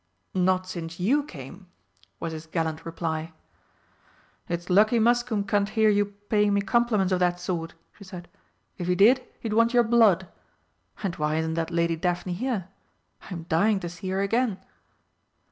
"Not since you came!" was his gallant reply. "It's lucky Muscombe can't hear you paying me compliments of that sort," she said. "If he did he'd want your blood. And why isn't that Lady Daphne here? I'm dying to see her again.